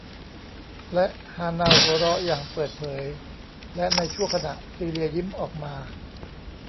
และฮาเนาหัวเราะอย่างเปิดเผย และในชั่วขณะ ซีเลียยิ้มออกมา